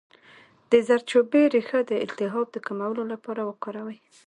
د زردچوبې ریښه د التهاب د کمولو لپاره وکاروئ